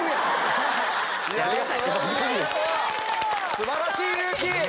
素晴らしい勇気。